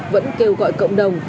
vẫn kêu gọi cộng đồng